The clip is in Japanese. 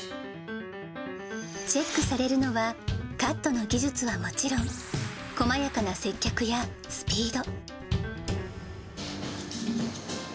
チェックされるのは、カットの技術はもちろん、細やかな接客やスピード。